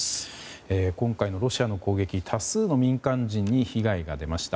今回のロシアの攻撃多数の民間人に被害が出ました。